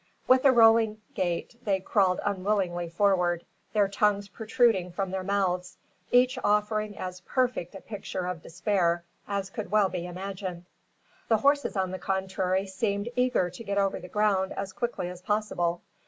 With a rolling gait they crawled unwillingly forward, their tongues protruding from their mouths, each offering as perfect a picture of despair as could well be imagined. The horses on the contrary seemed eager to get over the ground as quickly as possible.